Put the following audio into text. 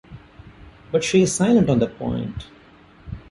But she is silent on that point.